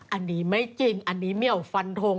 อันนี้ไม่จริงอันนี้เหมียวฟันทง